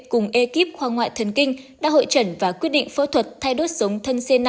cùng ekip khoa ngoại thần kinh đã hội trần và quyết định phẫu thuật thay đốt sống thân c năm